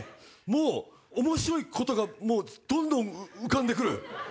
もうおもしろいことがもうどんどん浮かんで来る！